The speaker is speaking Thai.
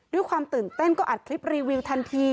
ด้วยความตื่นเต้นก็อัดคลิปรีวิวทันที